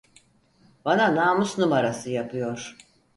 Bana namus numarası yapıyor.